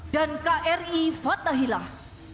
dan kri fatahillah